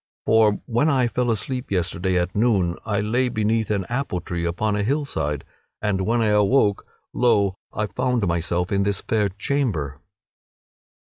For when I fell asleep yesterday at noon I lay beneath an apple tree upon a hillside; and when I awoke lo! I found myself in this fair chamber."